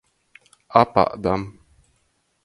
Apādam.